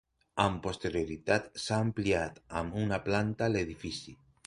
Amb posterioritat s'ha ampliat amb una planta l'edifici.